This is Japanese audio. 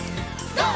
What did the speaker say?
ＧＯ！